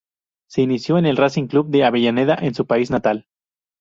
Se inició en el Racing Club de Avellaneda, en su país natal.